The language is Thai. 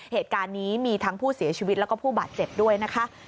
เหตุการณ์นี้มีทั้งผู้เสียชีวิตแล้วก็ผู้บาดเจ็บด้วยนะคะ